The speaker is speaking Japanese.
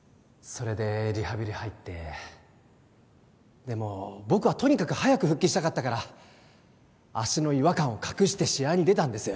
それでリハビリ入ってでも僕はとにかく早く復帰したかったから足の違和感を隠して試合に出たんです